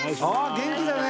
元気だね！